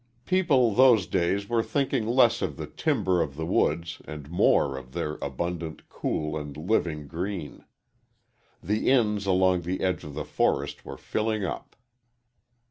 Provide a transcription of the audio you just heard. People those days were thinking less of the timber of the woods and more of their abundant, cool, and living green. The inns along the edge of the forest were filling up.